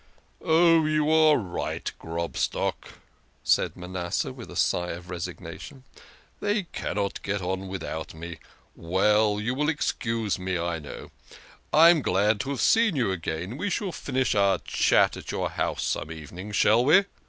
"Ah, you are right, Grobstock," said Manasseh with a sigh of resignation. "They cannot get on without me. Well, you will excuse me, I know. I am glad to have seen you again we shall finish our chat at your house some evening, shall we?